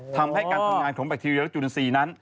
ทำให้การทำงานของแบคทีเรียลจุนทรีย์นั้น